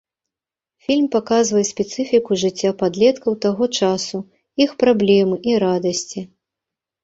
Фільм паказвае спецыфіку жыцця падлеткаў таго часу, іх праблемы і радасці.